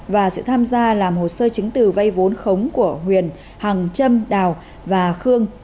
và sự tham gia làm hồ sơ chứng từ vay vốn khống của huyền hằng trâm đào và khương